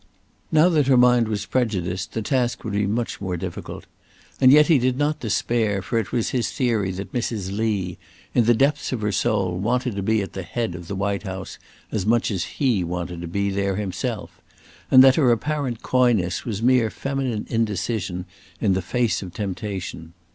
Now that her mind was prejudiced, the task would be much more difficult; yet he did not despair, for it was his theory that Mrs. Lee, in the depths of her soul, wanted to be at the head of the White House as much as he wanted to be there himself, and that her apparent coyness was mere feminine indecision in the face of temptation.